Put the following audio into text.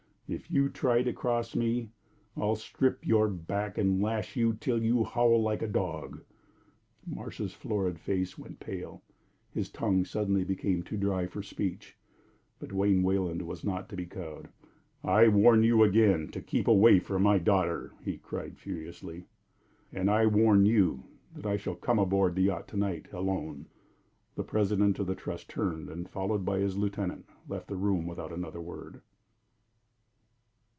"If you try to cross me, I'll strip your back and lash you till you howl like a dog." Marsh's florid face went pale; his tongue became suddenly too dry for speech. But Wayne Wayland was not to be cowed. "I warn you again to keep away from my daughter!" he cried, furiously. "And I warn you that I shall come aboard the yacht to night alone." The president of the Trust turned, and, followed by his lieutenant, left the room without another word.